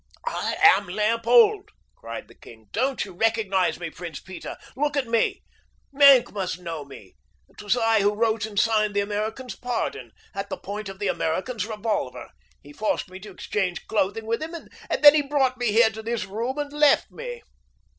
"I am Leopold!" cried the king. "Don't you recognize me, Prince Peter? Look at me! Maenck must know me. It was I who wrote and signed the American's pardon—at the point of the American's revolver. He forced me to exchange clothing with him, and then he brought me here to this room and left me."